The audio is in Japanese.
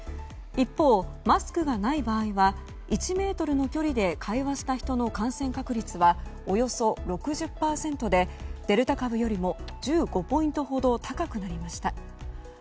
一方、マスクがない場合は１ｍの距離で会話した人の感染確率はおよそ６０％でデルタ株よりも１５ポイントほど高くなりました。